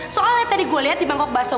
soalnya tadi gue lihat di bangkok baso